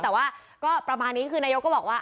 แต่ว่าก็ประมาณนี้คือนายกก็บอกว่า